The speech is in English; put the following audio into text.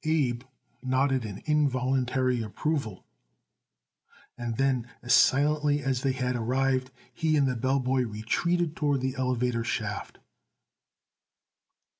Abe nodded an involuntary approval, and then as silently as they had arrived he and the bell boy retreated toward the elevator shaft.